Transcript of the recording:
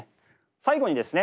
最後にですね